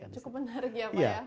cukup menarik ya pak ya